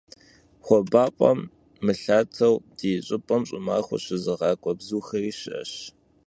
Xuabap'em mılhateu di ş'ıp'em ş'ımaxuer şızığak'ue bzuxeri şı'eş.